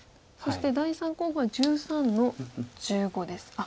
そして第３候補は１３の十五です。